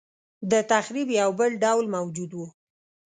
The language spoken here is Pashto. دتخریب یو بل ډول موجود و.